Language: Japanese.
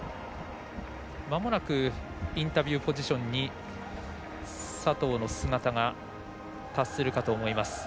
まもなくインタビューポジションに佐藤の姿が達するかと思います。